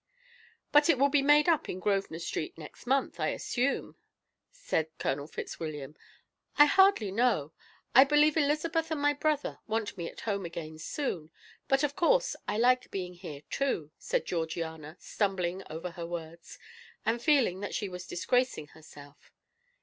"But it will be made up in Grosvenor Street next month, I assume," said Colonel Fitzwilliam. "I hardly know I believe Elizabeth and my brother want me at home again soon but of course I like being here too," said Georgiana, stumbling over her words, and feeling that she was disgracing herself.